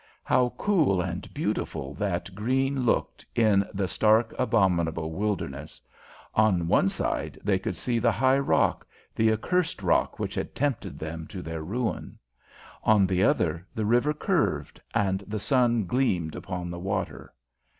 How cool and beautiful that green looked in the stark, abominable wilderness! On one side they could see the high rock, the accursed rock which had tempted them to their ruin. On the other the river curved, and the sun gleamed upon the water.